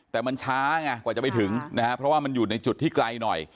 แต่มันช้าไงกว่าจะไปถึงนะฮะเพราะว่ามันอยู่ในจุดที่ไกลหน่อย